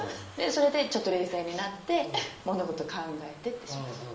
それでちょっと冷静になって物事考えてってします。